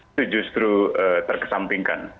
itu justru terkesampingkan